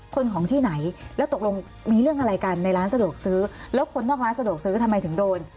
ของที่ไหนแล้วตกลงมีเรื่องอะไรกันในร้านสะดวกซื้อแล้วคนนอกร้านสะดวกซื้อทำไมถึงโดน